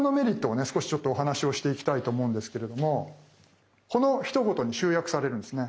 少しちょっとお話をしていきたいと思うんですけれどもこのひと言に集約されるんですね。